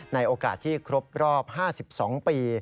ในโอกาสที่ครบรอบ๕๒ปี